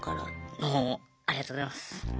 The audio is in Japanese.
もうありがとうございます。